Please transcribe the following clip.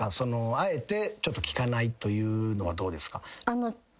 あえて聞かないというのはどうですか？